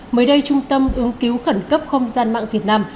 mới đây trung tâm ứng cứu khẩn cấp không gian mạng việt nam